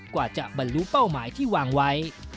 กว่าจะบรรลุเป้าหมายที่วางไว้